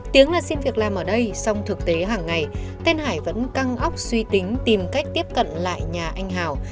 tiếng là xin việc làm ở đây song thực tế hàng ngày tên hải vẫn căng óc suy tính tìm cách tiếp cận lại nhà anh hào